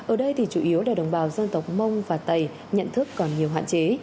ở đây thì chủ yếu là đồng bào dân tộc mông và tây nhận thức còn nhiều hạn chế